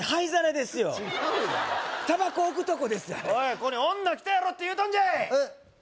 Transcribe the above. ここに女来たやろって言うとんじゃい！